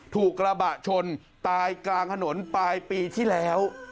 ถูกกระบะชนตายกลางถนนปลายปีที่แล้ว